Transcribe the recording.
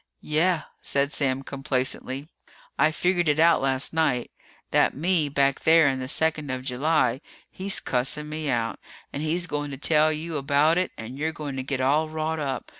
"Yeah," said Sam complacently. "I figured it out last night. That me back there in the second of July, he's cussing me out. And he's going to tell you about it and you're going to get all wrought up.